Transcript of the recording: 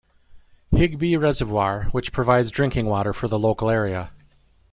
Higby Reservoir, which provides drinking water for the local area.